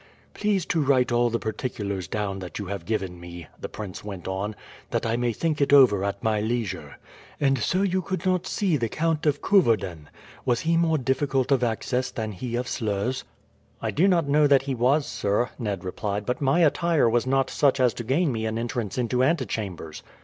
"Please to write all the particulars down that you have given me," the prince went on, "that I may think it over at my leisure. And so you could not see the Count of Coeverden? Was he more difficult of access than he of Sluys?" "I do not know that he was, sir," Ned replied; "but my attire was not such as to gain me an entrance into antechambers."